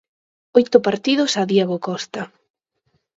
Oito partidos a Diego Costa.